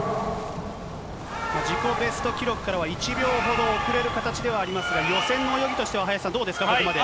自己ベスト記録からは１秒ほど遅れる形ではありますが、予選の泳ぎとしては林さん、どうですか、ここまで。